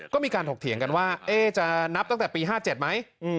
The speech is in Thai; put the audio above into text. ก็มีการถกเถียงกันว่าจะนับตั้งแต่ปี๕๗ไหม